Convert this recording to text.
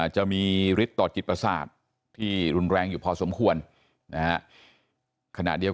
จะมีฤทธิ์ต่อจิตประสาทที่รุนแรงอยู่พอสมควรนะฮะขณะเดียวกัน